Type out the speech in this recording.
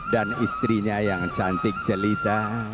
dan istrinya yang cantik jelita